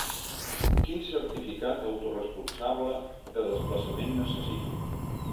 Quin certificat autoresponsable de desplaçament necessito?